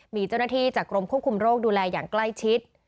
มีเจ้าหน้าที่จากกรมควบคุมโรคดูแลอย่างใกล้ชิด